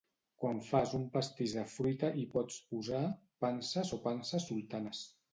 Quan fas un pastís de fruita hi pots posar panses o panses sultanes.